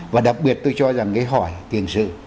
và đặc biệt tôi cho rằng cái hỏi tiền sự